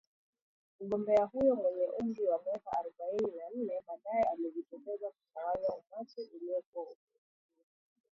Mgombea huyo mwenye umri wa miaka arubaini na ine, baadae alijitokeza kutawanya umati uliokuwa ukimsubiri